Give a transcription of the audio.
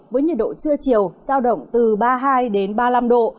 với nhiệt độ trưa chiều sao động từ ba mươi hai ba mươi năm độ